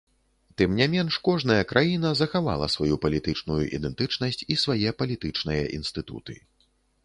Тым не менш, кожная краіна захавала сваю палітычную ідэнтычнасць і свае палітычныя інстытуты.